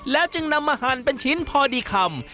จึงนำมาหั่นเป็นชิ้นพอดีคำ